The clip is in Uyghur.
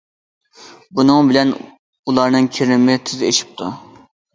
بۇنىڭ بىلەن ئۇلارنىڭ كىرىمى تېز ئېشىپتۇ.